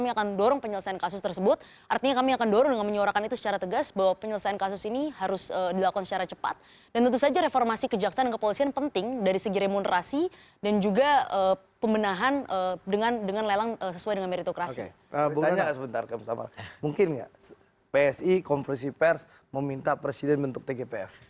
mungkin ya psi konversi pers meminta presiden bentuk tgpf